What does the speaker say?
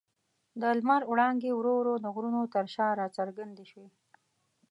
د لمر وړانګې ورو ورو د غرونو تر شا راڅرګندې شوې.